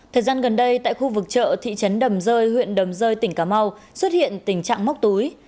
thời gian gần đây tại khu vực chợ thị trấn đầm rơi huyện đầm rơi tỉnh cà mau xuất hiện tình trạng móc túi